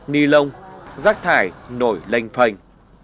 ni lông rác thải nổi lênh phành